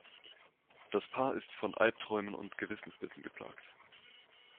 Das Paar ist von Albträumen und Gewissensbissen geplagt.